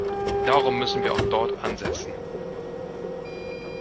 Darum müssen wir auch dort ansetzen.